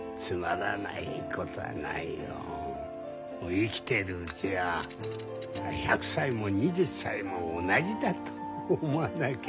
生きてるうちは１００歳も２０歳も同じだと思わなけりゃ。